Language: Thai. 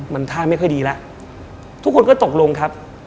มันท่าไม่ค่อยดีแล้วทุกคนก็ตกลงครับ